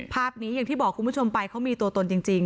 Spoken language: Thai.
ภาพนี้อย่างที่บอกคุณผู้ชมไปเขามีตัวตนจริง